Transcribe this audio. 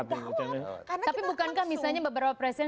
tapi bukankah misalnya beberapa presiden